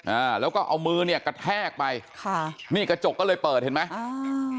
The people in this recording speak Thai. อ่าแล้วก็เอามือเนี้ยกระแทกไปค่ะนี่กระจกก็เลยเปิดเห็นไหมอ่า